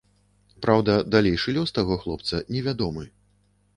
Праўда, далейшы лёс таго хлопца невядомы.